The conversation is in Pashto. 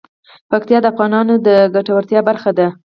پکتیا د افغانانو د ګټورتیا برخه ده.